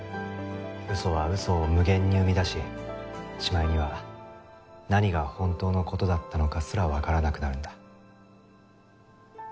嘘は嘘を無限に生み出ししまいには何が本当の事だったのかすらわからなくなるんだ。